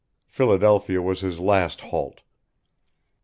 Philadelphia was his last halt.